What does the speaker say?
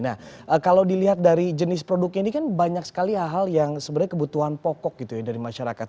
nah kalau dilihat dari jenis produknya ini kan banyak sekali hal hal yang sebenarnya kebutuhan pokok gitu ya dari masyarakat